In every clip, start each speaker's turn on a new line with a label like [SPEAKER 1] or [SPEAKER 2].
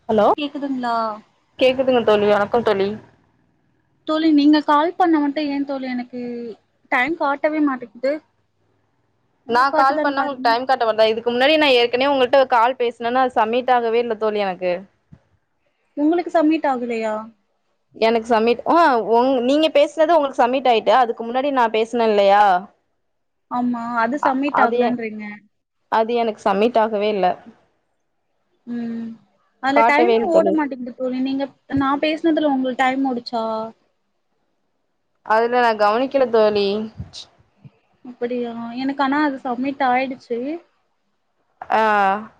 [SPEAKER 1] Hello
[SPEAKER 2] கேக்குதுங்ளா
[SPEAKER 1] கேக்குதுங்க தோழி வணக்கொ தோழி
[SPEAKER 2] தோழி நீங்க கால் பண்ணா மட்டு ஏன் தோழி எனக்கு டைம் காட்டவே மாட்டேக்குது
[SPEAKER 1] நா கால் பண்ணா உங்களுக் டைம் காட்ட மாட்தா இதுக்கு முன்னாடி நா ஏற்கனவே உங்கள்ட்ட ஒரு கால் பேசுனேன்னா அது சம்மிட் ஆகவே இல்ல தோழி எனக்கு
[SPEAKER 2] உங்களுக்கு சம்மிட் ஆகலையா
[SPEAKER 1] எனக்கு சம்மிட் ஆ ஒங் நீங்க பேசுனது உங்களுக்கு சம்மிட் ஆயிட்டு அதுக்கு முன்னாடி நா பேசுனேன்லையா
[SPEAKER 2] ஆமா அது சம்மிட்
[SPEAKER 1] அது எ
[SPEAKER 2] ஆகலன்றீங்க
[SPEAKER 1] அது எனக் சம்மிட் ஆகவே இல்ல
[SPEAKER 2] ம் அதுல
[SPEAKER 1] காட்டவே
[SPEAKER 2] டைமே
[SPEAKER 1] இல்ல
[SPEAKER 2] ஓட
[SPEAKER 1] தோழி
[SPEAKER 2] மாட்டேங்குது தோழி நீங்க நா பேசுனதுல உங்களுக் டைம் ஓடுச்சா
[SPEAKER 1] அதுல நா கவனிக்கல தோழி
[SPEAKER 2] அப்புடியா எனக்கு ஆனா அது சமிட் ஆயிடுச்சு
[SPEAKER 1] ஆ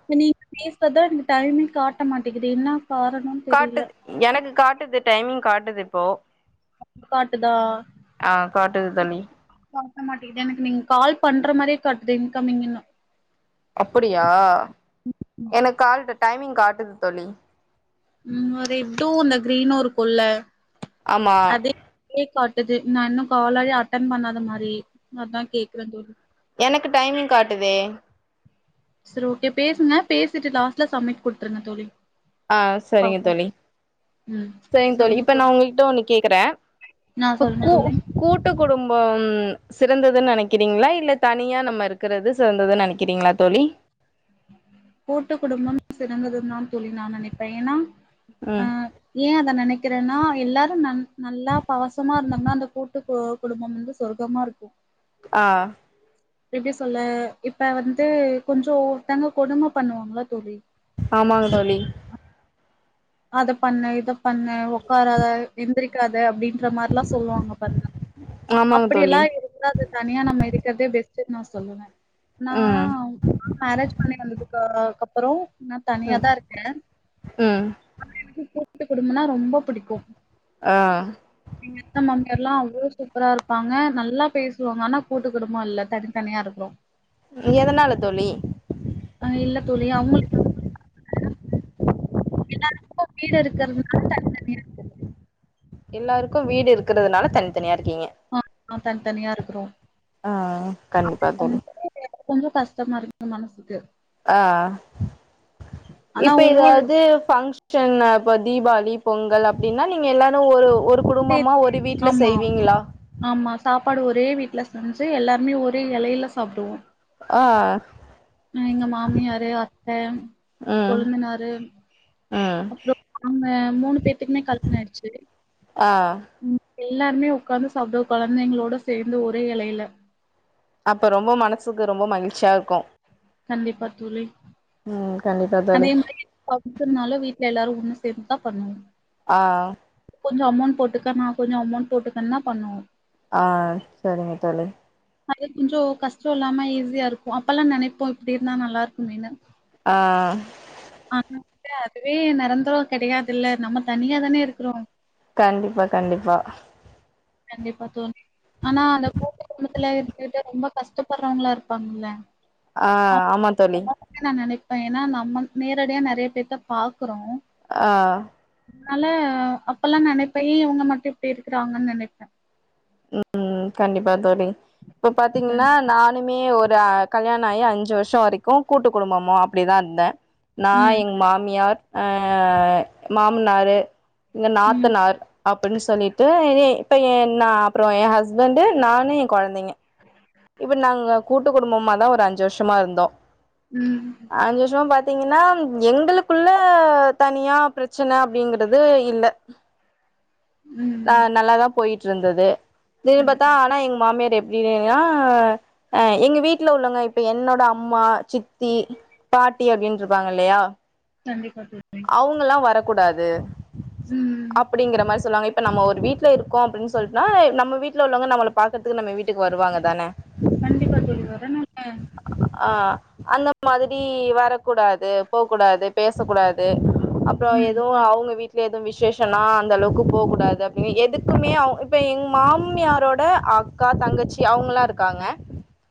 [SPEAKER 2] இப்ப நீங்க பேசுறதா எனக்கு டைமே காட்ட மாட்டேங்குது என்னா காரணோன்
[SPEAKER 1] காட்டுது எனக்கு காட்டுது டைமிங் காட்டுது இப்போ
[SPEAKER 2] [inaudible] காட்டுதா
[SPEAKER 1] ஆ காட்டுது தோழி
[SPEAKER 2] காட்ட மாட்டேங்குது எனக்கு நீங்க கால் பண்ற மாரியே காட்டுது இன்கம்மிங்குன்னு
[SPEAKER 1] அப்படியா எனக்கு கால்ட்ட டைமிங் காட்டுது தோழி
[SPEAKER 2] இங்க ரெட்டூ இந்த கிரீனூ இருக்குல்ல
[SPEAKER 1] ஆமா
[SPEAKER 2] கே காட்டுது நா இன்னு காலயே அட்டன் பண்ணாத மாரி அதா கேக்குறே தோழி
[SPEAKER 1] எனக்கு டைமிங் காட்டுதே
[SPEAKER 2] சரி ஓகே பேசுங்க பேசிட்டு லாஸ்ட்ல சமிட் குடுத்துருங்க தோழி
[SPEAKER 1] ஆ சரிங்க
[SPEAKER 2] பாப்போ
[SPEAKER 1] தோழி
[SPEAKER 2] ம்
[SPEAKER 1] சரிங்க தோழி
[SPEAKER 2] சொல்லுங்க
[SPEAKER 1] இப்ப நா உங்ககிட்ட ஒன்னு கேக்குறே
[SPEAKER 2] ஆ
[SPEAKER 1] இப்ப
[SPEAKER 2] சொல்லுங்க
[SPEAKER 1] கூ
[SPEAKER 2] தோழி
[SPEAKER 1] கூட்டு குடும்பம் சிறந்ததுன் நெனைக்கிறீங்ளா இல்ல தனியா நம்ம இருக்குறது சிறந்ததுன்னு நெனைக்கிறீங்ளா தோழி
[SPEAKER 2] கூட்டு குடும்பம் சிறந்தது தான் தோழி நா நெனைப்ப ஏனா
[SPEAKER 1] ம்
[SPEAKER 2] ஏ அத நெனைக்கிறேன்னா எல்லாரு ந நல்லா பாசமா இருந்தோம்னா அந்த கூட்டு டு குடும்பம் வந்து சொர்க்கமா இருக்கு
[SPEAKER 1] ஆ
[SPEAKER 2] எப்டி சொல்ல இப்ப வந்து கொஞ்சோ ஒருத்தங்க கொடும பண்ணுவாங்கள தோழி
[SPEAKER 1] ஆமாங்க தோழி
[SPEAKER 2] அத பண்ணு இது பண்ணு உக்காராத எந்திரிக்காத அப்டின்ற மார்ல்லா சொல்லுவாங்க பாருங்க
[SPEAKER 1] ஆமாங்க தோழி
[SPEAKER 2] அப்டியெல்லா இருந்தா அது தனியா நம்ம இருக்குறதே பெஸ்டுன் நா சொல்லுவ நா
[SPEAKER 1] ம்
[SPEAKER 2] மேரேஜ் பண்ணி வந்ததுக்க கப்பறோ நா தனியாதா இருக்கே
[SPEAKER 1] அ
[SPEAKER 2] அப்றோ எனக்கு கூட்டு குடும்பனா ரொம்ப புடிக்கு
[SPEAKER 1] அ
[SPEAKER 2] இங்க சின்ன மாமியர்லா அவ்ளோ சூப்பரா இருப்பாங்க நல்லா பேசுவாங்க ஆனா கூட்டு குடும்போ இல்ல தனித்தனியா இருக்கோ
[SPEAKER 1] எதனால தோழி
[SPEAKER 2] அ இல்ல தோழி அவங்களுக்கு எல்லாத்துக்கு வீடு இருக்றதுனால தனித்தனியா
[SPEAKER 1] எல்லாருக்கு வீடு இருக்கிறதுனால தனித்தனியா இருக்கீங்க
[SPEAKER 2] ஆமா தனித்தனியா இருக்றோ
[SPEAKER 1] ஆ கண்டிப்பா தோழி
[SPEAKER 2] எனக்கு கொஞ்சோ கஷ்டமா இருக்கு மனசுக்கு
[SPEAKER 1] ஆ
[SPEAKER 2] ஆனா
[SPEAKER 1] இப்ப
[SPEAKER 2] ஒவ்வொரு
[SPEAKER 1] ஏதாவ்து ஃபங்ஷ ஷன்னா இப்ப தீபாளி பொங்கல் அப்டின்னா நீங்க எல்லாரு ஒரு ஒரு குடும்பமா
[SPEAKER 2] திப்
[SPEAKER 1] ஒரு வீட்ல
[SPEAKER 2] ஆமா
[SPEAKER 1] செய்வீங்களா
[SPEAKER 2] ஆமா சாப்பாடு ஒரே வீட்டுல செஞ்சு எல்லாருமே ஒரே எலையில சாப்டுவோ
[SPEAKER 1] ஆ
[SPEAKER 2] எங்க மாமியாரு அத்த
[SPEAKER 1] ம்
[SPEAKER 2] கொழுந்தனாரு
[SPEAKER 1] ம்
[SPEAKER 2] அப்றோ அவ்ங்க மூணு பேத்துக்குமே கல்யாணோ ஆய்டுச்சு
[SPEAKER 1] ஆ
[SPEAKER 2] ம் எல்லாருமே உக்காந்து சாப்டுவோ குழந்தைங்களோட சேர்ந்து ஒரே எலையில
[SPEAKER 1] அப்போ ரொம்ப மனசுக்கு ரொம்ப மகிழ்ச்சியா இருக்கு
[SPEAKER 2] கண்டிப்பா தோழி
[SPEAKER 1] ம் கண்டிப்பா தோழி
[SPEAKER 2] ஃபங்க்ஷன்னால வீட்ல எல்லாரு ஒன்னு சேந்துதா பண்ணுவோ
[SPEAKER 1] ஆ
[SPEAKER 2] கொஞ்சோ அமௌண்ட் போட்டுக்க நா கொஞ்சோ அமௌண்ட் போட்டுக்கனுதா பண்ணுவோ
[SPEAKER 1] ஆ செரிங்க தோழி
[SPEAKER 2] அது கொஞ்சோ கஷ்டோ இல்லாம ஈஸியா இருக்கு அப்பெல்லா நினைப்போ இப்டி இருந்தா நல்லாருக்குமேனு
[SPEAKER 1] ஆ
[SPEAKER 2] ஆனா அதுவே நெரந்தரோ கிடையாதுல்ல நம்ம தனியா தான இருக்குறோ
[SPEAKER 1] கண்டிப்பா கண்டிப்பா
[SPEAKER 2] கண்டிப்பா தோழி ஆனா அந்த கூட்டு குடும்பத்துல இருந்துக்கிட்டு ரொம்ப கஷ்டப்படுறவங்களா இருப்பாங்கல்ல
[SPEAKER 1] ஆ ஆமா தோழி
[SPEAKER 2] வந்து நா நெனைப்பே ஏன்னா நம்ம நேரடியா நெறைய பேத்த பாக்குறோ
[SPEAKER 1] ஆ
[SPEAKER 2] அதனால அப்பெல்லா நெனைப்பே ஏ இவங்க மட்டு இப்டி இருக்றாங்கன்னு நெனைப்
[SPEAKER 1] ம் கண்டிப்பா தோழி இப்ப பாத்தீங்கன்னா
[SPEAKER 2] கண்டிப்பா.
[SPEAKER 1] நானுமே ஒரு அ கல்யாணோ ஆகி அஞ்சு வருஷோ வரைக்கு கூட்டு குடும்பமோ அப்டிதா இருந்தே நா
[SPEAKER 2] ம்.
[SPEAKER 1] எங் மாமியார் அ மாமனாரு எங்க
[SPEAKER 2] ம்.
[SPEAKER 1] நாத்தனார் அப்டின்னு சொல்லிட்டு ஏ இப்போ என் நா அப்றோ ஏ ஹஸ்பண்டு நானு ஏ குழந்தைங்க இப்டி நாங்க கூட்டு குடும்பமாதா ஒரு அஞ்சு வருஷமா இருந்தோ
[SPEAKER 2] ம்
[SPEAKER 1] அஞ்சு வருஷமா பாத்தீங்கன்னா எங்களுக்குள்ள தனியா பிரச்சன அப்டிங்கறது இல்ல
[SPEAKER 2] ம்
[SPEAKER 1] ஆ நல்லாதா போயிட் இருந்தது திடீர்னு பாத்தா
[SPEAKER 2] கண்டிப்பா.
[SPEAKER 1] ஆனா எங்க மாமியார் எப்டி ஆ அ எங்க வீட் வீட்ல உள்ளங்க இப்ப என்னோட அம்மா சித்தி பாட்டி அப்டின்ருப்பாங்க இல்லயா
[SPEAKER 2] கண்டிப்பா தோழி
[SPEAKER 1] அவுங்கல்லா வரக்கூடாது
[SPEAKER 2] ம்.
[SPEAKER 1] அப்டிங்ற மாரி சொல்லாங்க இ இப்ப நம்ம ஒரு வீட்ல இருக்கோ அப்டின் சொல்ட்டுன்னா நம்ம வீட்ல உள்ளவங்க நம்மள பாக்குறதுக்கு நம்ம வீட்டுக்கு வருவாங்க தான
[SPEAKER 2] கண்டிப்பா தோழி வரனுல்ல
[SPEAKER 1] ஆ அந்த மாதிரி வரக்கூடாது போக்கூடாது பேசக்கூடா து அப்றோ
[SPEAKER 2] ம்.
[SPEAKER 1] எது அவுங்க வீட் அங்க எது விசேஷனா அந்த அளவுக்கு போக்கூடாது அப்டின் எதுக்குமே அவு இப்ப எங்க மாமியாரோட அக் அக்கா தங்கச்சி அவுங்கல்லா இருக்காங்க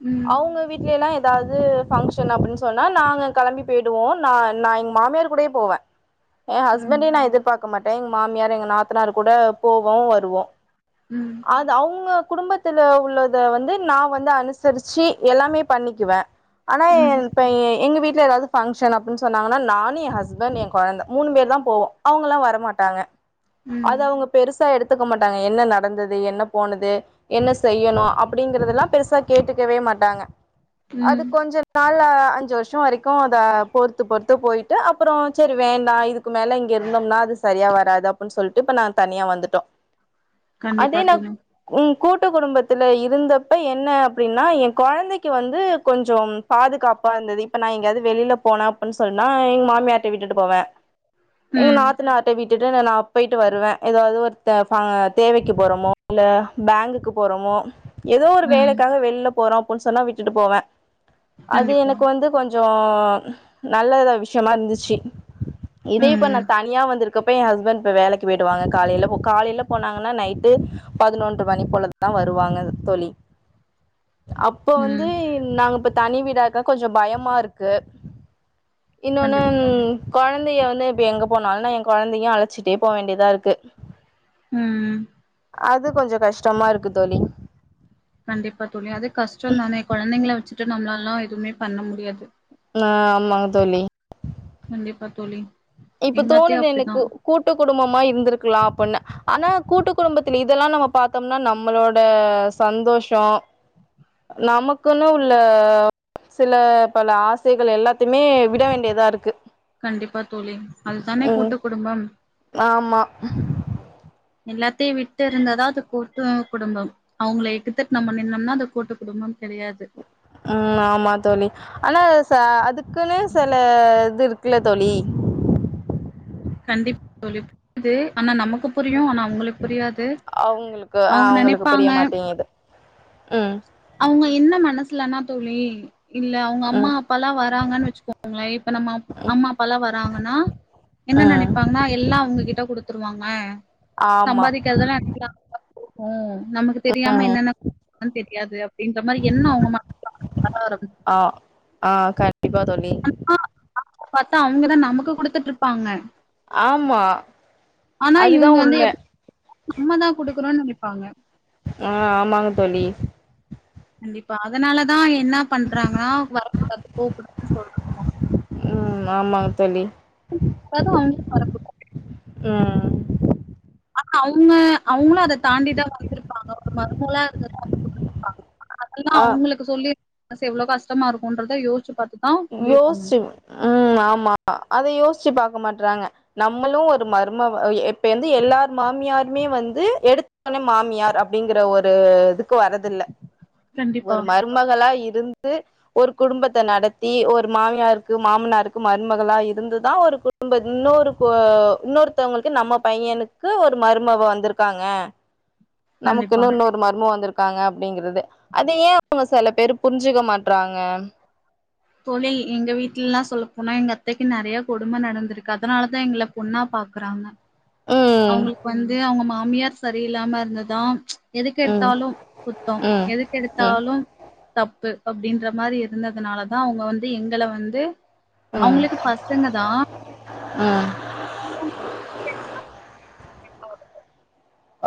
[SPEAKER 2] ம். ம்.
[SPEAKER 1] அவுங்க வீட்ல எல்லா எதாவ்து பங்ஷன் அப்டின் சொன்னா நாங்க கெளம்பி போயிடுவோ நா நா எங் மாமியார் கூடயே போவே ஏ ஹஸ்பண்டே நா
[SPEAKER 2] ம்.
[SPEAKER 1] எதிர்பாக் க மாட்டே எங்க மாமியார் எங்க நாத்தனார் கூட போவோம் வருவோ
[SPEAKER 2] ம்
[SPEAKER 1] அது அவுங்க குடும்பத்தில உள்ளத வந்து நா வந்து அனுசரிச்சி எல்லாமே பண்ணிக்குவே ஆனா
[SPEAKER 2] ம்.
[SPEAKER 1] இப்ப எங்க வீட்ல எதாவ்து பங்ஷன் அப்டின் சொன்னாங்கன்னா நானு ஏ ஹஸ் ஹஸ்பண்ட் ஏ கொழந்த மூணு பேர் தா போவோ அவுங்கல்லா வரமாட்டாங்க அது
[SPEAKER 2] ம்.
[SPEAKER 1] அவுங்க பெருசா எடுத்துக்க மாட்டாங்க என்ன நடந்தது என்ன போனது என்ன செய்யணு அப்டிங்றதெல்லா பெருசா கேட்டுக்கவே மாட்டாங்க அது
[SPEAKER 2] ம்
[SPEAKER 1] கொஞ்சோ நாளு அஞ்சு வருஷோ வரைக்கு அத பொறுத்து பொறுத்து போயிட்டு அப் அப்றோ சரி வேணா இதுக்கு மேலே இங்க இருந்தோம்னா அது சரியா வராது அப்பின் சொல்ட்டு இப்ப நா தனியா வந்துட்டோ
[SPEAKER 2] [inaudible] கண்டிப்பா
[SPEAKER 1] அதே நா
[SPEAKER 2] தோழி
[SPEAKER 1] ம் கூட்டு குடும்பத்துல இருந்தப்ப என்ன அப்டின்னா ஏ கொழந்தைக்கி வந்து கொஞ்சம் பாதுகாப்பா இருந்தது இப்ப நா எங்கயாவது வெளில போனா அப்பின் சொன்னா எங்க மாமியார் ட விட்டுட்டு போவே எங்க
[SPEAKER 2] ம்
[SPEAKER 1] நாத்தனார்ட்ட விட் விட்டுன்னு நா போய்ட்டு வருவே எதாவ்து ஒரு தே ப தேவைக்கு போறோமோ இல்ல பேங்குக்கு போறமோ எதோ ஒரு
[SPEAKER 2] ம்
[SPEAKER 1] வேலைக்காக வெளில்ல போறோ அப்பின் சொன்னா விட்டுட்டு போவே அது
[SPEAKER 2] கண்டிப்பா
[SPEAKER 1] எனக்கு வந்து கொஞ் சோ நல்லத விஷயமா இருந்துச்சி இதே இப்ப நா
[SPEAKER 2] ம்
[SPEAKER 1] தனியா வந்திருக் க இப்ப ஏ ஹஸ்பெண்ட் இப்ப வேலைக்கு போயிடுவாங்க காலையில போ காலைல போனாங்கன்னா நைட்டு பதினொன்று மணி போல தா வருவாங்க தோழி
[SPEAKER 2] [inaudible]
[SPEAKER 1] அப்போ வந்து
[SPEAKER 2] ம்
[SPEAKER 1] நாங்க இப்ப தனி வீடா இருக்கா கொஞ்சோ பயமா இருக்கு இன்னொன்னு
[SPEAKER 2] கண்டிப்பா தோழி
[SPEAKER 1] கொழந்தைய வந்து இப்ப எங்க போனாலு ஏ கொழந்தையு அழச்சிட்டே போ வேண்டியதா இருக்கு
[SPEAKER 2] ம்
[SPEAKER 1] அது கொஞ்சோ கஷ்டமா இருக்கு தோழி
[SPEAKER 2] கண்டிப்பா தோழி அது கஷ்டோந்தானே கொழந்தைங்கள வச்சுட்டு நம்மளாலலா எதுமே பண்ண முடியாது
[SPEAKER 1] ஆ ஆமாங்க தோழி
[SPEAKER 2] கண்டிப்பா தோழி
[SPEAKER 1] இப்ப
[SPEAKER 2] எங்க அத்தையு
[SPEAKER 1] தோணுது
[SPEAKER 2] அப்டிதா
[SPEAKER 1] எனக்கு கூட்டு குடும்பமா இருந்திருக்லா அப்பின்னு ஆனா கூட்டு குடும்பத்துல இதெல்லா நம்ம பாத்தோம்னா நம்மளோட சந்தோஷோ நமக்குன்னு உள்ள சில பல ஆசைகள் எல்லாத்தையுமே விட வேண்டியதா இருக்கு
[SPEAKER 2] கண்டிப்பா தோழி அதுதானே
[SPEAKER 1] ம்
[SPEAKER 2] கூட்டு குடும்பம்
[SPEAKER 1] ஆமா
[SPEAKER 2] எல்லாத்தையு விட்டு இருந்தாதா அது கூட்டு குடும்பம் அவுங்கள எகித்துத்துட்டு நம்ம நின்னோம்னா அது கூட்டு குடும்பம் கெடையாது
[SPEAKER 1] அ ஆமா தோழி ஆனா ச அதுக்குன்னு சில இது இருக்குல்ல தோழி
[SPEAKER 2] கண்டிப்பா தோழி புரிது ஆனா நமக்கு புரியு ஆனா அவுங்களுக்கு புரியாது
[SPEAKER 1] அவுங்களுக்கு ஆ
[SPEAKER 2] அவங்க
[SPEAKER 1] அவுங்களுக்கு புரிய
[SPEAKER 2] நெனைப்பாங்க
[SPEAKER 1] மாட்டேங்குது ம்
[SPEAKER 2] அவுங்க என்ன மனசுலனா தோழி இல்ல அவுங்க அம்மா
[SPEAKER 1] ம்
[SPEAKER 2] அப்பலா வராங்கன்னு வச்சுக்கோங்களே இப்ப நம்ம அம்மா அப்பாலா வராங்கனா என்ன
[SPEAKER 1] ம்
[SPEAKER 2] நெனைப்பாங்கன்னா எல்லா அவுங்ககிட்ட குடுத்துருவாங்க
[SPEAKER 1] ஆமா
[SPEAKER 2] சம்பாதிக்கிறதுதெல்லா ம் நமக்கு தெரியாம
[SPEAKER 1] ம்
[SPEAKER 2] என்னென்ன [inaudible] தெரியாது அப்டின்ற மாரி எண்ணோ அவங்க மனசுல வர
[SPEAKER 1] ஆ ஆ கண்டிப்பா தோழி
[SPEAKER 2] அ [inaudible] பாத்தா அவுங்கதா நமக்கு குடுத்துட்டு இருப்பாங்க
[SPEAKER 1] ஆமா
[SPEAKER 2] ஆனா
[SPEAKER 1] அதுதா
[SPEAKER 2] இவுங்க வந்து
[SPEAKER 1] உண்ம
[SPEAKER 2] எப் நம்மதா குடுக்கறோன் நெனைப்பாங்க
[SPEAKER 1] ஆ ஆமாங்க தோழி
[SPEAKER 2] கண்டிப்பா அதனாலதா என்னா பண்றாங்கன்னா வரக்கூடாது போக்கூடாதுன்னு சொல்றாங்களா
[SPEAKER 1] ம் ஆமாங்க தோழி
[SPEAKER 2] கதுவு வந்து தொறக்கு
[SPEAKER 1] அ அ
[SPEAKER 2] ஆமா அவுங்க அவுங்களு அத தாண்டிதா வந்திருப்பாங்க ஒரு மருமகளா இருந்துதா அதெல்லா
[SPEAKER 1] ஆ
[SPEAKER 2] அவுங்களுக்கு சொல்லி மனசு எவ்ளோ கஷ்டமா இருக்கும்ன்றத யோசிச்சு பாத்து
[SPEAKER 1] யோசிச்சு ம் ஆமா ஆமா அத யோசிச்சு பாக்க மாட்றாங்க நம்மளு ஒரு மர்மவ இப்ப வந்து எல்லார் மாமியாருமே வந்து எடுத் தோனே மாமியார் அப்டிங்கற ஒரு இதுக்கு வரதில்ல
[SPEAKER 2] கண்டிப்பா
[SPEAKER 1] ஒரு மருமகளா இருந்து ஒரு குடும்பத்த நடத் தி ஒரு மாமியாருக்கு மாமனாருக்கு மருமகளா இருந்துதா ஒரு குடும்ப இன்னொரு அ இன்னொரு த்தவுங்களுக்கு நம்ம பையனுக்கு ஒரு மருமவ வந்துருக்காங்க
[SPEAKER 2] கண்டிப்பா
[SPEAKER 1] நமக்குன்னு இன்னொர் மர்மவ வந்துருக்காங்க அப்டிங்கிறது அத ஏ அவுங்க சில பேரு புரிஞ்சுக்க மாட்றாங்க
[SPEAKER 2] தோழி எங்க வீட்லல்லா சொல்ல போனா எங்க அத்தைக்கு நறைய கொடும நடந்திருக்கு அதனாலதா எங்கள பொண்ணா பாக்கறாங்க
[SPEAKER 1] ம்
[SPEAKER 2] அவுங்களுக்கு வந்து அவுங்க ம மாமியார் செரியில்லாம இருந்ததா
[SPEAKER 1] ம்
[SPEAKER 2] எதுக்கெடுத்தாலு குத்தம்
[SPEAKER 1] ம் ம்
[SPEAKER 2] எதுக்கெடுத்தாலு தப்பு அப்டின்ற மாரி இருந்ததுனாலதா அவுங்க வந்து எங்கள வந்து
[SPEAKER 1] ம்
[SPEAKER 2] அவுங்களுக்கு பசங்க தா
[SPEAKER 1] ம்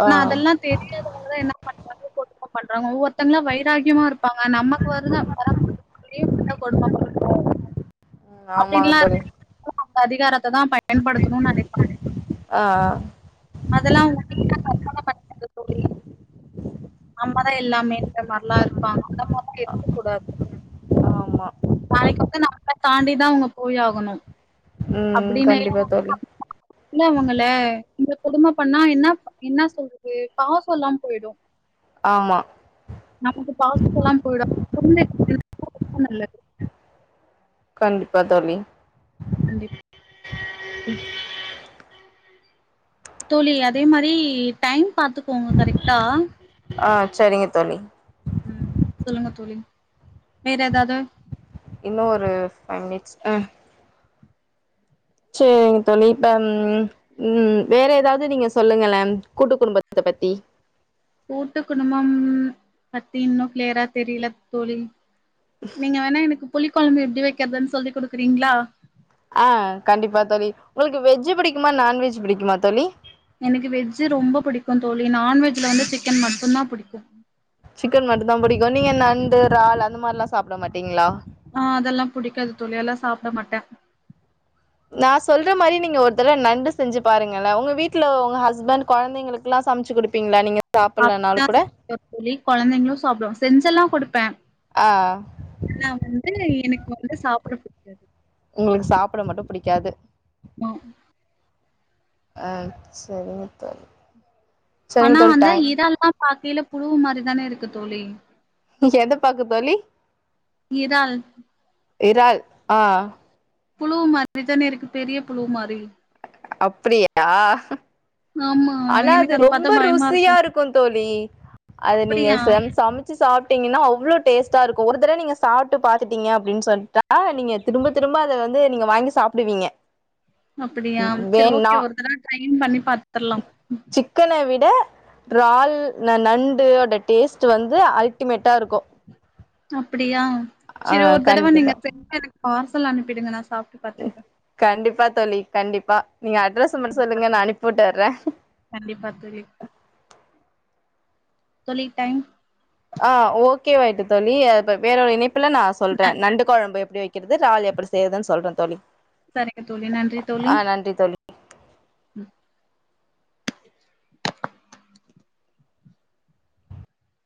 [SPEAKER 1] ஆ
[SPEAKER 2] ஆனா அதெல்லா தெரியாதனாலதா என்ன பண்றாங் க கொடும பண்றாங்க ஒவ்வொருத்தங்களா வைராக்கியமா இருப்பாங்க நமக்கு வரு [inaudible] இவுங்ளுயு இப்டிதா கொடும பண்ணனு
[SPEAKER 1] ஆமாங்க
[SPEAKER 2] அப்டின்ல்லா
[SPEAKER 1] தோழி
[SPEAKER 2] இருக்க அந்த அதிகாரத்த தா பயன்படுதணுன் நெனைபாங்க
[SPEAKER 1] ஆ ஆ
[SPEAKER 2] அதெல்லா [unintelligible] பண்றது தோழி நம்மதா எல்லாமேன்ற மாரிலா இருப்பாங்க அந்த மாரிலா இருக்க கூடாது
[SPEAKER 1] ஆமா
[SPEAKER 2] இன்னைக்கு வந்து நம்பள தாண்டிதா அவுங்க போய் ஆகணு
[SPEAKER 1] ம்
[SPEAKER 2] அப்டினு
[SPEAKER 1] கண்டிப்பா தோழி
[SPEAKER 2] இல்ல அவுங்கள இந்த கொடும பண்ணா என்னப் என்ன சொல்றது பாசல்லாம போயிடு
[SPEAKER 1] ஆமா
[SPEAKER 2] நமக்கு பாசோ எல்லா போயிடு கொழந்தைக் கண்டிப்பா ரொம்ப நல்லது
[SPEAKER 1] கண்டிப்பா தோழி
[SPEAKER 2] கண்டிப் தோழி அதே மாதிரி டைம் பாத்துக்கோங்க கரெக்டா
[SPEAKER 1] ஆ சரிங்க தோழி
[SPEAKER 2] ம் சொல்லுங்க தோழி வேற எதாது
[SPEAKER 1] இன்னு ஒரு ஃபைவ் மினிட்ஸ் ஆ சேரிங்க தோழி இப்பம் ம் வேற எதாது நீங்க சொல்லுங்களே கூட்டு குடும்பத்தை பத்தி
[SPEAKER 2] கூட்டு குடும்பம் பத்தி இன்னு கிளியரா தெரில தோழி நீங்க வேணா எனக்கு புளி கொழம்பு எப்டி வைக்கதுன்னு சொல்லி குடுக்குறீங்களா
[SPEAKER 1] ஆ கண்டிப்பா தோழி உங்களுக்கு வெஜ்ஜு பிடிக்குமா நான் வெஜ்ஜு பிடிக்குமா தோழி
[SPEAKER 2] எனக்கு வெஜ்ஜு ரொம்ப பிடிக்கு தோழி நான் வெஜ்ல வந்து சிக்கன் மட்டுந்தா பிடிக்கு
[SPEAKER 1] சிக்கன் மட்டுந்தா பிடிக்கு நீங்க நண்டு இறால் அந்த மாதிரி எல்லா சாப்பிட மாட்டீங்களா
[SPEAKER 2] ஆ அதெல்லா புடிக்காது தோழி அது எல்லா சாப்பிடமாட்டே
[SPEAKER 1] நா சொல்ற மாதிரி நீங்க ஒரு தடவ நண்டு செஞ்சு பாருங்கள்லே உங்க வீட்டுல உங்க ஹஸ்பண்ட் கொழந்தைங்களுக் எல்லா சமைச்சு கொடுப்பீங்களா நீங்க சாப்பட்லனாலு
[SPEAKER 2] அப்டிலா
[SPEAKER 1] கூட
[SPEAKER 2] சொல்லல தோழி குழந்தைங்களு சாப்பிடுவாங்க செஞ்செல்லா கொடுப்பே
[SPEAKER 1] ஆ
[SPEAKER 2] நா வந்து எனக்கு வந்து சாப்பிட புடிக்காது
[SPEAKER 1] உங்களுக்கு சாப்பிட மட்டும் புடிக்காது
[SPEAKER 2] மா
[SPEAKER 1] அ செரிங்க தோழி சரிங்க
[SPEAKER 2] அனா
[SPEAKER 1] தோழி
[SPEAKER 2] வந்து
[SPEAKER 1] டை
[SPEAKER 2] இறால்லா பாக்கையில புழுவு மாரிதான இருக்கு தோழி
[SPEAKER 1] எத பாக்க தோழி
[SPEAKER 2] இறால்
[SPEAKER 1] இறால் ஆ
[SPEAKER 2] புழுவு மாதிரி தானே இருக்கு பெரிய புழுவ் மாதிரி
[SPEAKER 1] அப்டியா
[SPEAKER 2] ஆமா
[SPEAKER 1] ஆனா அது
[SPEAKER 2] எனக்கு பாத்தா
[SPEAKER 1] ரொம்ப
[SPEAKER 2] பயமா
[SPEAKER 1] ருசியா இருக்கு தோழி அது நீங்க
[SPEAKER 2] அப்படியா
[SPEAKER 1] சம சம ச்சி சாப்ட்டீங்கன்னா அவ்ளோ டேஸ்டா இருக்கு ஒரு தடவ நீங்க சாப்பிட்டு பாத்துட்டீங்க அப்டினு சொல்லிட்டா ஆ நீங்க திரும்ப திரும்ப அத வந்து நீங்க வாங்கி சாப்பிடுவீங்க
[SPEAKER 2] அப்டியா செரி ஓகே ஒரு தடவ ட்ரைன் பண்ணி பாத்துரலா
[SPEAKER 1] சிக்கன விட டிறால் ந நண்டு ஓட டேஸ்ட் வந்து அல்டிமேட்டா இருக்கு
[SPEAKER 2] அப்டியா
[SPEAKER 1] ஆ
[SPEAKER 2] செரி ஒரு தடவை
[SPEAKER 1] கண்டிப்பா
[SPEAKER 2] நீங்க பெ எனக்கு பார்சல் அனுப்பிடுங்க நா சாப்பிட்டு பாத்துக்குறே
[SPEAKER 1] கண்டிப்பா தோழி கண்டிப்பா நீங்க அட்ரஸ்ஸ மட்டும் சொல்லுங்க நா அனுப்பி விட்டுறே
[SPEAKER 2] கண்டிப்பா தோழி தோழி டைம்
[SPEAKER 1] ஆ ஓகே வாயிட்டு தோழி அது ப வேற ஒரு இணைப்புல நா சொல்றே நண்டு கொழம்பு எப்டி வை இறால் எப்டி செய்யுறதுன்னு சொல்றேன் தோழி
[SPEAKER 2] செரிங்க தோழி நன்றி தோழி
[SPEAKER 1] ஆ நன்றி தோழி
[SPEAKER 2] ம்